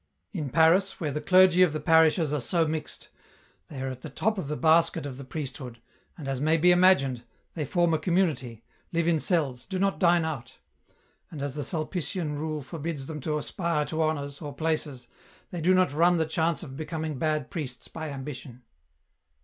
In Paris, where the clergy of the parishes are so mixed, they are at the top of the basket of the priest hood, and, as may be imagined, they form a community, live in cells, do not dine out ; and as the Sulpician rule forbids them to aspire to honours, or places, they do not run the chance of becoming bad priests by ambition.